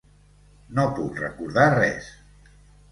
No puc recordar res.